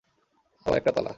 আবার একটা তালা।